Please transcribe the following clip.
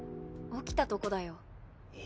起きたとこだよ。え。